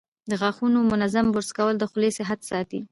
د غاښونو منظم برش کول د خولې صحت ساتي.